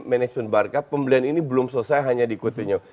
manajemen barca pembelian ini belum selesai hanya di coutinho